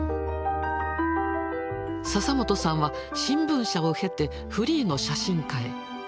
笹本さんは新聞社を経てフリーの写真家へ。